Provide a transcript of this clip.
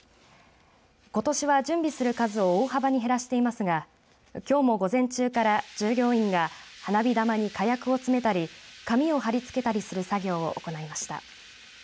ことしは準備する数を大幅に減らしていますがきょうも、午前中から従業員が花火玉に火薬を詰めたり紙を貼り付けたりする作業を行いました。